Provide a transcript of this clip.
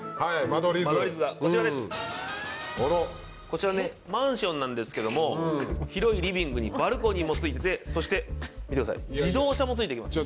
こちらねマンションなんですけども広いリビングにバルコニーもついててそして見てください自動車もついてきます。